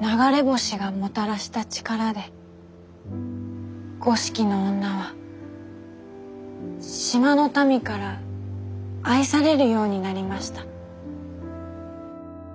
流れ星がもたらした力で五色の女は島の民から愛されるようになりました。